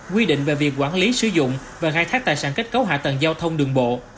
quy định về việc quản lý sử dụng và khai thác tài sản kết cấu hạ tầng giao thông đường bộ